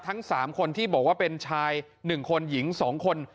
ทั้ง๓คนที่บอกว่าเป็นชาย๑คนหญิง๒คน